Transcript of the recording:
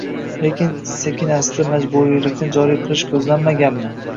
balki sekin-asta majburiylikni joriy qilish ko‘zlanmaganmi?